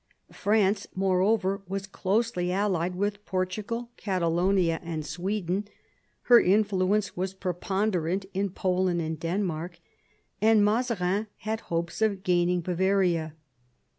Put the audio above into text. France, moreover, was closely allied with Portugal, Catalonia, and Sweden; her influence was preponderant in Poland and Denmark ; and Mazarin had hopes of gaining Bavaria.